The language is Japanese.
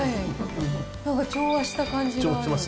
なんか調和した感じがある。